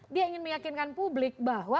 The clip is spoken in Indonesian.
dia ingin meyakinkan publik bahwa